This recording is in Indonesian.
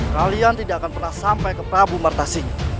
kalian tidak akan pernah sampai ke prabu marta sing